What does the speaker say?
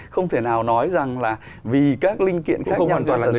không thể nào nói rằng là vì các linh kiện khác nhau sản xuất